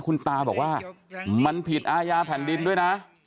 คุณตาบอกว่ามันผิดอาญาแผ่นดินด้วยนะ